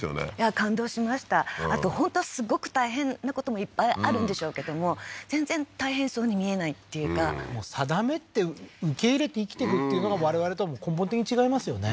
感動しましたあと本当すごく大変なこともいっぱいあるんでしょうけども全然大変そうに見えないっていうか定めって受け入れて生きていくっていうのが我々とは根本的に違いますよね